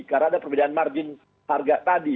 karena ada perbedaan margin harga tadi